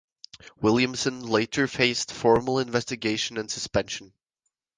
Williamson later faced formal investigation and suspension.